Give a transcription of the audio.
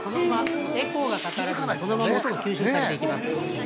エコーがかからずにそのまま音が吸収されていきます。